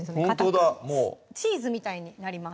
ほんとだチーズみたいになります